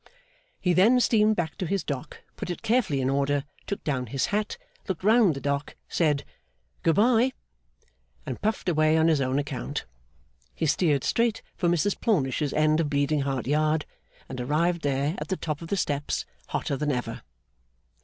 He then steamed back to his Dock, put it carefully in order, took down his hat, looked round the Dock, said 'Good bye!' and puffed away on his own account. He steered straight for Mrs Plornish's end of Bleeding Heart Yard, and arrived there, at the top of the steps, hotter than ever.